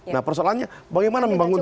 nah persoalannya bagaimana membangun